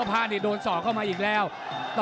ฝ่ายทั้งเมืองนี้มันตีโต้หรืออีโต้